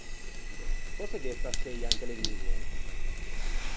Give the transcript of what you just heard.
Cöse gh’é staseia in televixon?